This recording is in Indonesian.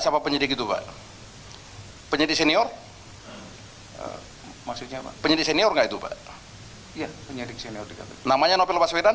siapa penyidik itu pak penyidik senior maksudnya penyidik senior nggak itu pak namanya novel paswetan